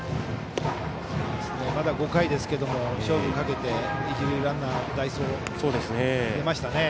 まだ５回ですけれども勝負をかけて一塁ランナー代走を出しましたね。